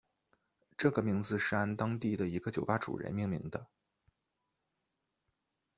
这个名字是按当地的一个酒吧主人命名的。